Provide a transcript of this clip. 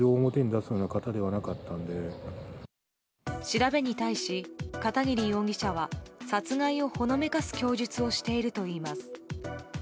調べに対し、片桐容疑者は殺害をほのめかす供述をしているといいます。